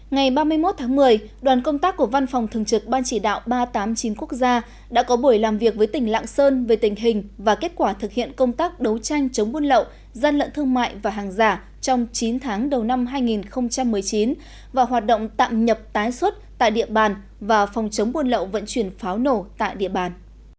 ngày ba mươi một tháng một mươi đoàn công tác của văn phòng thường trực ban chỉ đạo ba trăm tám mươi chín quốc gia đã có buổi làm việc với tỉnh lạng sơn về tình hình và kết quả thực hiện công tác đấu tranh chống buôn lậu gian lận thương mại và hàng giả trong chín tháng đầu năm hai nghìn một mươi chín và hoạt động tạm nhập tái xuất tại địa bàn và phòng chống buôn lậu vận chuyển pháo nổ tại địa bàn